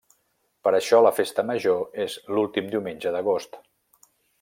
Per això la Festa Major és l'últim diumenge d'Agost.